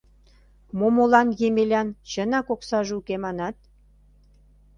Момолан Емелян чынак оксаже уке, манат...